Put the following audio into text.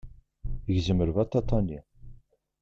Gzem lbaṭaṭa-nni.